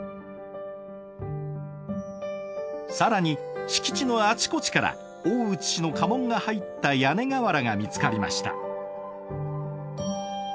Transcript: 更に敷地のあちこちから大内氏の家紋が入った屋根瓦が見つかりました。